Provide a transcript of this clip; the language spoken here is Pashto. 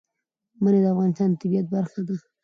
منی د افغانستان د طبیعت برخه ده.